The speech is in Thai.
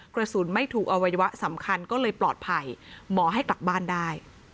กระสุนไม่ถูกอวัยวะสำคัญก็เลยปลอดภัยหมอให้กลับบ้านได้